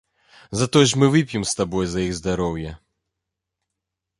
Затое ж мы вып'ем з табой за іх здароўе.